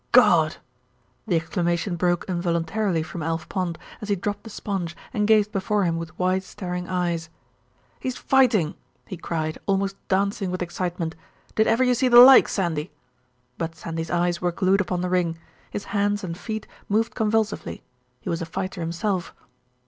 "God!" The exclamation broke involuntarily from Alf Pond, as he dropped the sponge and gazed before him with wide staring eyes. "He's fighting," he cried, almost dancing with excitement. "Did ever you see the like, Sandy?" But Sandy's eyes were glued upon the ring. His hands and feet moved convulsively he was a fighter himself.